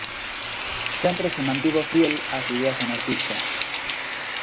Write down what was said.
Sempre se mantivo fiel ás ideas anarquistas.